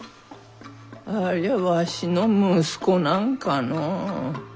ありゃわしの息子なんかのう？